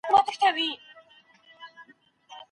په دې دوره کي علم او فلسفې ډېر پرمختګ ونه کړ.